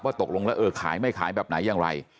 ตกลงแล้วเออขายไม่ขายแบบไหนอย่างไร